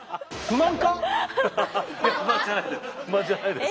不満じゃないです。